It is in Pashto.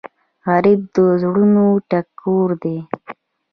غریب د زړونو ټکور دی